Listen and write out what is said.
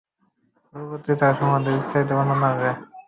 পরবর্তীতে তার সম্বন্ধে বিস্তারিত বর্ণনা আসবে।